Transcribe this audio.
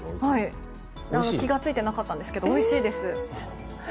気がついていなかったんですがおいしいです。